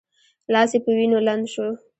لاس یې په وینو لند شو.